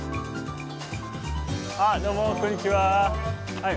あどうもこんにちは。